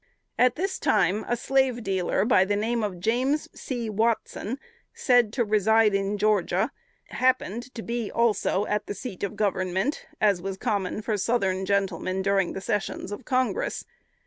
At this time a slave dealer by the name of James C. Watson, said to reside in Georgia, happened to be also at the seat of Government, as was common for Southern gentlemen during the sessions of Congress.